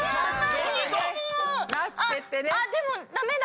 ああでもダメだ。